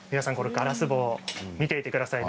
ガラス棒を見ていてくださいね。